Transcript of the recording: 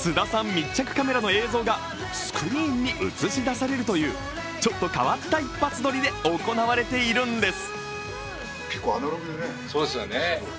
密着カメラの映像がスクリーンに映し出されるというちょっと変わった一発撮りで行われているんです。